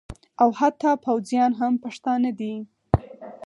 او حتی پوځیان هم پښتانه دي